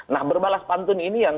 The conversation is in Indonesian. nah berbalas pantun ini yang